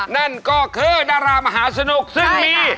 นั่นก็คือดารามหาสนุกซึ่งมี